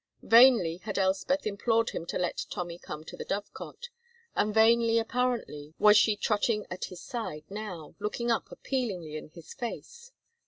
Vainly had Elspeth implored him to let Tommy come to the Dovecot, and vainly apparently was she trotting at his side now, looking up appealingly in his face.